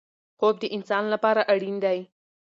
خوب د انسان لپاره اړین دی.